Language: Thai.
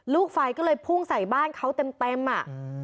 ลูกไฟก็เลยพุ่งใส่บ้านเขาเต็มเต็มอ่ะอืม